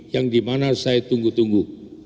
yang dimana saya tunggu tunggu